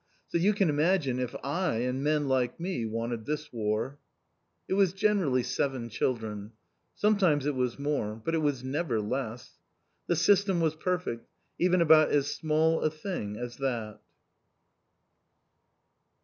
So you can imagine if I and men like me, wanted this war!" It was generally seven children. Sometimes it was more. But it was never less! The system was perfect, even about as small a thing as that!